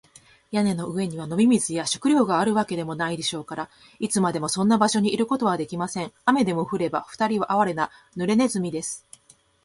屋根の上には飲み水や食料があるわけでもないでしょうから、いつまでもそんな場所にいることはできません。雨でも降れば、ふたりはあわれな、ぬれネズミです。